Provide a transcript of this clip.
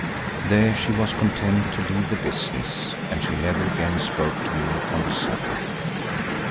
There she was content to leave the business and she never again spoke to me upon the subject.